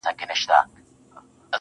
و ذهن ته دي بيا د بنگړو شرنگ در اچوم